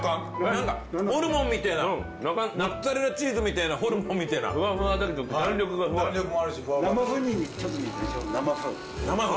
何だホルモンみたいなうんモッツァレラチーズみたいなホルモンみたいなふわふわだけど弾力がすごい弾力もあるしふわふわだし生麩生麩